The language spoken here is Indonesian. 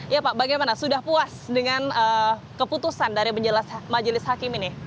ya pak bagaimana sudah puas dengan keputusan dari penjelasan majelis hakim ini